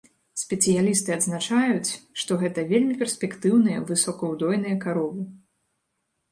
Спецыялісты адзначаюць, што гэта вельмі перспектыўныя высокаўдойныя каровы.